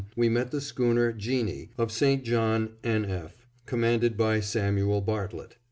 we met the Schooner Jeanie, of St. John, N. F., commanded by Samuel Bartlett.